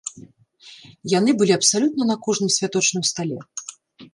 Яны былі абсалютна на кожным святочным стале!